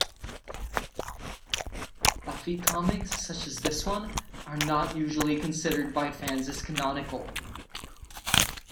Buffy comics such as this one are not usually considered by fans as canonical.